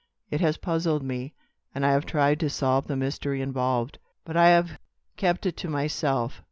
It has puzzled me; and I have tried to solve the mystery involved; but I have kept it to myself.